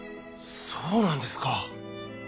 そうなんですか。